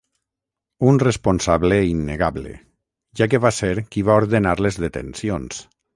Un responsable innegable, ja que va ser qui va ordenar les detencions.